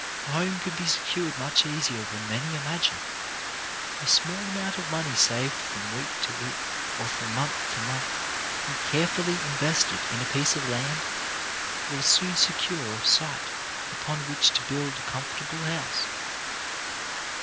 A home can be secured much easier than many imagine. A small amount of money saved from week to week, or from month to month, and carefully invested in a piece of land, will soon secure a site upon which to build a comfortable house.